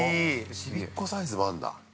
◆ちびっ子サイズもあるんだ。